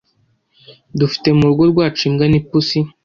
dufite mu rugo rwacu imbwa n’ipusi